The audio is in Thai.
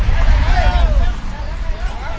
สวัสดีครับทุกคน